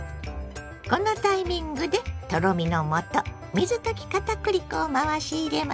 このタイミングでとろみのもと水溶き片栗粉を回し入れます。